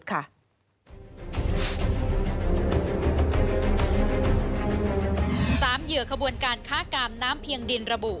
๓เหยื่อขบวนการฆ่ากลามน้ำเพียงดินระปวุ